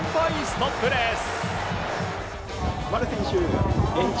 ストップです。